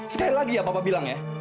sekali lagi ya bapak bilang ya